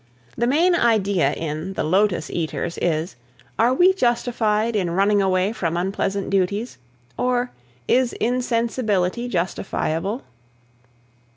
The main idea in "The Lotos Eaters" is, are we justified in running away from unpleasant duties? Or, is insensibility justifiable?